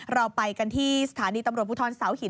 เราไปกันที่สถานีตำรวจภูทรเสาหิน